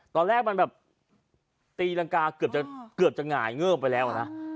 ตอนแรกมันแบบตีรังกาเกือบจะหงายเงิบไปแล้วนะ